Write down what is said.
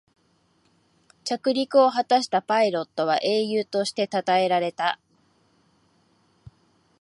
着陸を果たしたパイロットは英雄としてたたえられた